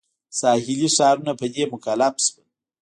ساحلي ښارونه په دې مکلف شول.